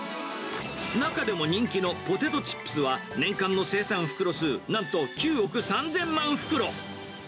中でも人気のポテトチップスは、年間の生産袋数、なんと９億３０００万袋。